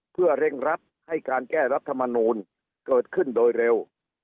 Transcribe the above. เพื่อเร่งรัดให้การแก้รัฐมนูลเกิดขึ้นโดยเร็ว